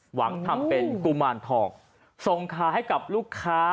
หวังทำเป็นกุมารทองส่งขายให้กับลูกค้า